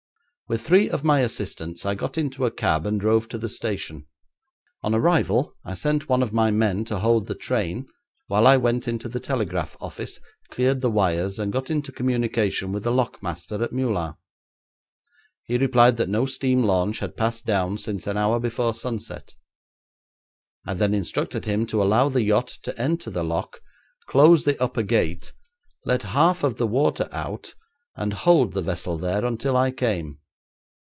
With three of my assistants I got into a cab and drove to the station. On arrival I sent one of my men to hold the train while I went into the telegraph office, cleared the wires, and got into communication with the lock master at Meulan. He replied that no steam launch had passed down since an hour before sunset. I then instructed him to allow the yacht to enter the lock, close the upper gate, let half of the water out, and hold the vessel there until I came.